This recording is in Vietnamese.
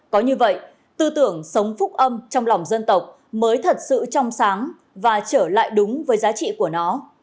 có như vậy tư tưởng sống phúc âm trong lòng dân tộc mới thật sự trong sáng và trở lại đúng với giá trị của nó